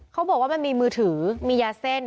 เขาบอกว่ามันมีมือถือมียาเส้น